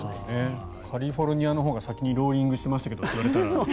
カリフォルニアのほうが先にローリングしてましたけどって言われたら。